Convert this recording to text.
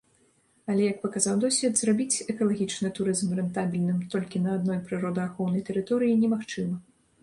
Але, як паказаў досвед, зрабіць экалагічны турызм рэнтабельным толькі на адной прыродаахоўнай тэрыторыі немагчыма.